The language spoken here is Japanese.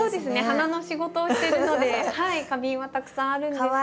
花の仕事をしてるので花瓶はたくさんあるんですけど。